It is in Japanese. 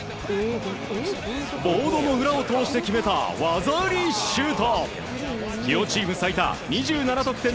ボードの裏を通して決めた技ありシュート。